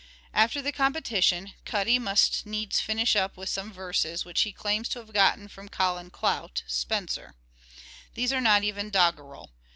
After the competition, Cuddie must needs finish up with some " verses " which he claims to have got from Colin Clout (Spenser) . These are not even doggerel.